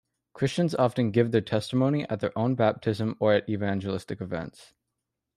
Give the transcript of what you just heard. Christians often give their testimony at their own baptism or at evangelistic events.